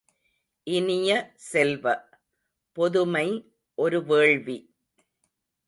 இனிய செல்வ, பொதுமை ஒரு வேள்வி!